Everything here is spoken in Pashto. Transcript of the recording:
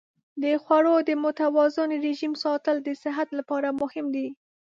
د خوړو د متوازن رژیم ساتل د صحت لپاره مهم دی.